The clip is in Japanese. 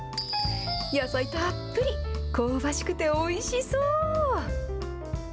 野菜たっぷり、香ばしくておいしそう。